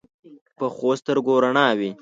پخو سترګو رڼا وي